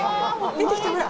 出てきた、ほら！